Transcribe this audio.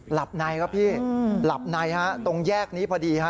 หลับในครับพี่หลับในฮะตรงแยกนี้พอดีฮะ